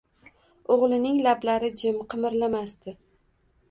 O‘g‘lining lablari jim qimirlamasdi.